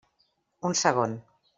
Un segon.